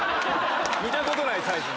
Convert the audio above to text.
見たことないサイズの。